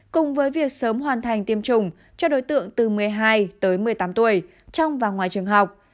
cùng với việc sớm hoàn thành tiêm chủng cho đối tượng từ một mươi hai tới một mươi tám tuổi trong và ngoài trường học